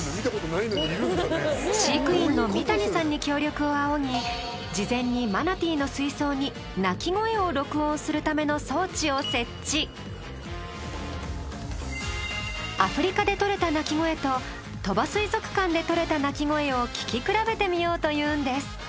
飼育員の三谷さんに協力を仰ぎ事前にマナティーの水槽にアフリカで録れた鳴き声と鳥羽水族館で録れた鳴き声を聴き比べてみようというんです。